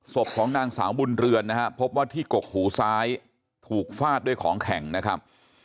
ศพของนางสาวบุญเรือนนะครับพบว่าที่กกหูซ้ายถูกฟาดด้วยของแข็งนะครับ